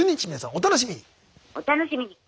お楽しみに。